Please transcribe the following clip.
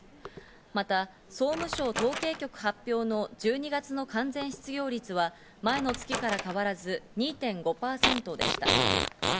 また総務省統計局発表の１２月の完全失業率は、前の月から変わらず２．５％でした。